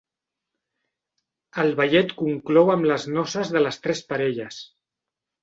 El ballet conclou amb les noces de les tres parelles.